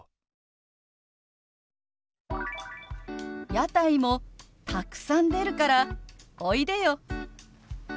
「屋台もたくさん出るからおいでよ」。